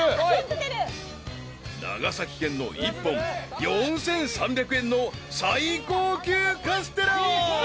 ［長崎県の一本４，３００円の最高級カステラは］